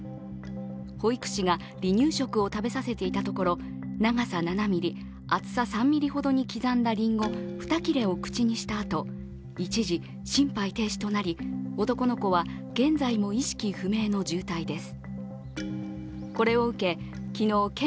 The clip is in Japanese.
保育士が離乳食を食べさせていたところ、長さ７ｍｍ厚さ３ｍｍほどに刻んだりんご２切れを口にしたあと一時、心肺停止となり男の子は現在も意識不明の重体です。